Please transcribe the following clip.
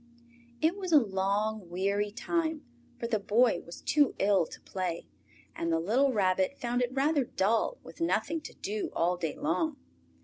It was a long weary time, for the Boy was too ill to play, and the little Rabbit found it rather dull with nothing to do all day long.